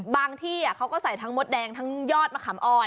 ที่เขาก็ใส่ทั้งมดแดงทั้งยอดมะขามอ่อน